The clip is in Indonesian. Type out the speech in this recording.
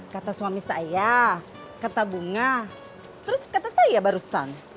kata suami saya kata bunga terus kata saya ya barusan